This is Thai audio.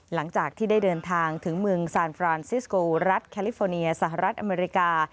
หลังจากที่ได้เดินทางถึงเมืองซานฟรานซิสโกรัฐแคลิฟอร์เนียสหรัฐอเมริกา